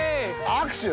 握手？